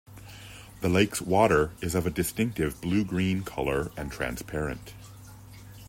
The lake's water is of a distinctive blue-green colour and transparent.